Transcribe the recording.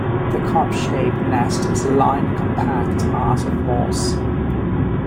The cup-shaped nest is a lined compact mass of moss.